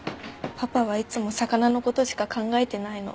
パパはいつも魚の事しか考えてないの。